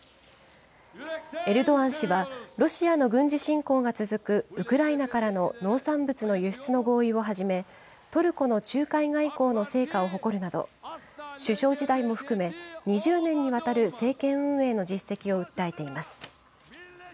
エルドアン氏は、ロシアの軍事侵攻が続くウクライナからの農産物の輸出の合意をはじめ、トルコの仲介外交の成果を誇るなど、首相時代も含め、２０年にわたる政権運営の実績を訴えています。